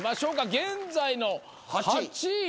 現在の８位は。